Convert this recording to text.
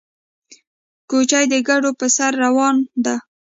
کوچۍ د کډو په سر کې روانه ده